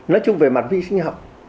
nói chung về mặt vi sinh học